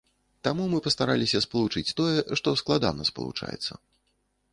Таму мы пастараліся спалучыць тое, што складана спалучаецца.